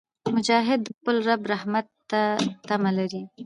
مجاهد د خپل رب رحمت ته تمه لري.